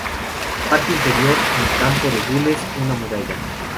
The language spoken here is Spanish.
Parte inferior: en campo de gules, una muralla.